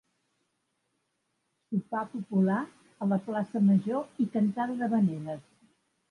Sopar popular a la plaça Major i cantada d'havaneres.